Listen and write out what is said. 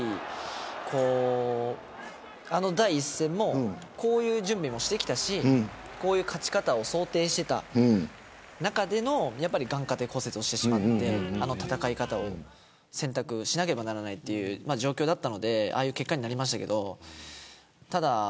あの第１戦もこういう準備もしてきたしこういう勝ち方を想定していた中での眼窩底骨折をしてしまってあの戦い方を選択しなければいけない状況だったのでああいう結果になりましたけど。